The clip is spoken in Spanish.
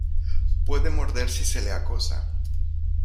Puede morder si se le acosa.